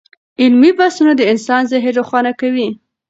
علمي بحثونه د انسان ذهن روښانه کوي.